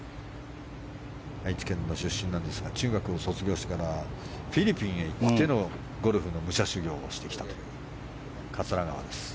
愛知県の出身なんですが中学を卒業してからフィリピンへ行ってゴルフの武者修行をしてきたという桂川です。